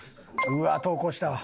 うわっ投稿したわ。